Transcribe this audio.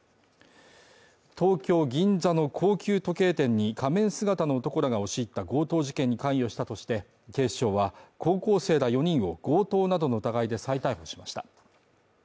東京・銀座の高級時計店に仮面姿の男らが押し入った強盗事件に関与したとして警視庁は高校生ら４人を強盗などの疑いで再逮捕しました。